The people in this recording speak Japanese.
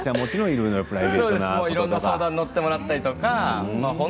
いろいろ相談に乗ってもらったりとか